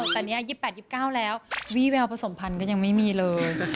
แต่นี้๒๘๒๙แล้ววีแววประสงค์ภัณฑ์ก็ยังไม่มีเลย